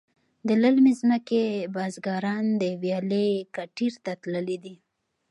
د للمې ځمکې بزگران د ویالې کټیر ته تللي دي.